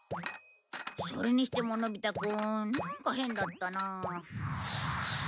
それにしてものび太くんなんか変だったな。